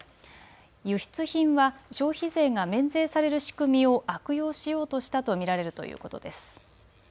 輸出品は消費税が免税される仕組みを悪用しようとしたと見られるということです。